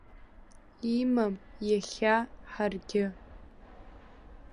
Имам иахьа харгьы.